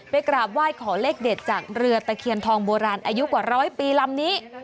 กราบไหว้ขอเลขเด็ดจากเรือตะเคียนทองโบราณอายุกว่าร้อยปีลำนี้